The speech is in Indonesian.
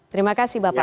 terima kasih bapak